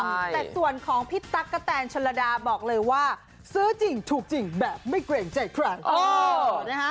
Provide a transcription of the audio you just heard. แต่ส่วนของพี่ตั๊กกะแตนชนระดาบอกเลยว่าซื้อจริงถูกจริงแบบไม่เกรงใจใคร